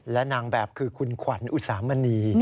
และนางแบบคือคุณขวัญอุสามณี